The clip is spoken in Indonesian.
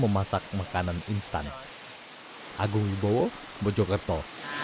memasak makanan instan agung ibowo bojokerto